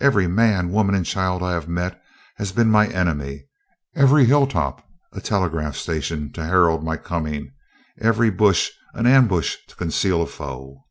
Every man, woman, and child I have met has been my enemy; every hill top a telegraph station to herald my coming; every bush an ambush to conceal a foe."